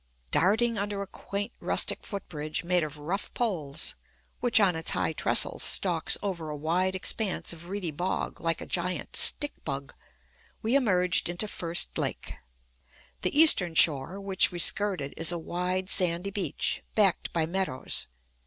Darting under a quaint rustic foot bridge made of rough poles, which on its high trestles stalks over a wide expanse of reedy bog like a giant "stick bug," we emerged into First Lake. The eastern shore, which we skirted, is a wide, sandy beach, backed by meadows.